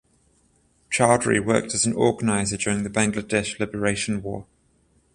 Chowdhury worked as an organiser during the Bangladesh Liberation war.